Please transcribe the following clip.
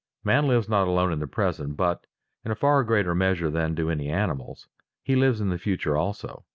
Man lives not alone in the present but, in a far greater measure than do any animals, he lives in the future also.